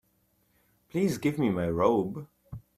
Please give me my robe.